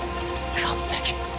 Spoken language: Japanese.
完璧。